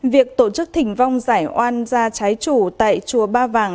việc tổ chức thỉnh vong giải oan gia trái chủ tại chùa ba vàng